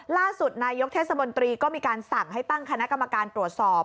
ล่าสุดนายกเทศมนตรีก็มีการสั่งให้ตั้งคณะกรรมการตรวจสอบ